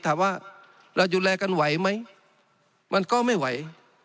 ถามว่าเราดูแลกันไหวไหมมันก็ไม่ไหว